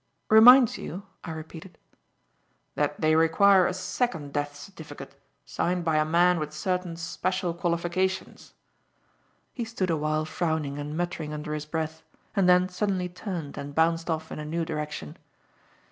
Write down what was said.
"Reminds you?" I repeated. "That they require a second death certificate, signed by a man with certain special qualifications." He stood awhile frowning and muttering under his breath and then suddenly turned and bounced off in a new direction.